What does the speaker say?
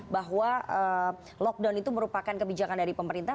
bahwa lockdown itu merupakan kebijakan dari pemerintah